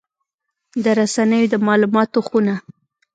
د رسنیو د مالوماتو خونه